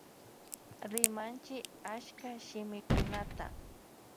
Rimanchi achka shimikunata.